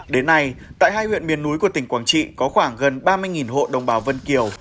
đến nay tại hai huyện miền núi của tỉnh quảng trị có khoảng gần ba mươi hộ đồng bào vân kiều